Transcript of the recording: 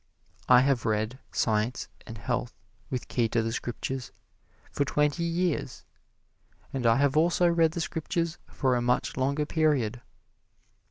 I have read "Science and Health with Key to the Scriptures" for twenty years, and I have also read the Scriptures for a much longer period.